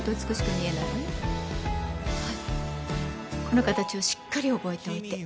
この形をしっかり覚えておいて。